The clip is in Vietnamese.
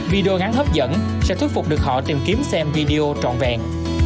video ngắn hấp dẫn sẽ thuyết phục được họ tìm kiếm xem video trọn vẹn